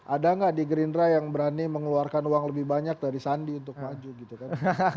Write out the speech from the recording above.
ada nggak di gerindra yang berani mengeluarkan uang lebih banyak dari sandi untuk maju gitu kan